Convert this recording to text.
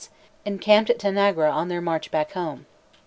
3 6 encamped at Tanagra on their march back home.!